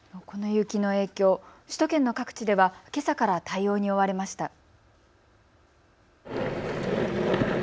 この雪の影響、首都圏の各地ではけさから対応に追われました。